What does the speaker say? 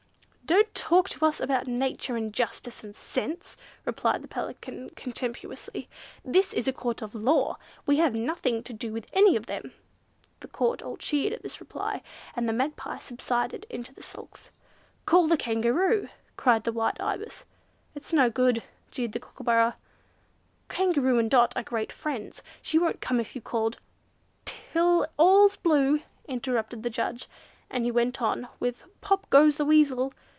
"Don't talk to us about nature and justice and sense," replied the Pelican, contemptuously. "This is a Court of law, we have nothing to do with any of them!" The Court all cheered at this reply, and the Magpie subsided in the sulks. "Call the Kangaroo!" cried the white Ibis. "It's no good," jeered the Kookooburra. "Kangaroo and Dot are great friends. She won't come if you called—" "Till all's blue!" interrupted the judge and he went on with "Pop goes the Weasel."